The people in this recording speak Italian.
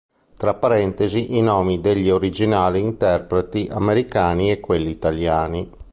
Tra parentesi i nomi degli originali interpreti americani e quelli italiani.